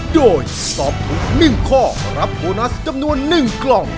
โดยตอบถูกหนึ่งข้อรับโบนัสจำนวนหนึ่งกล่อง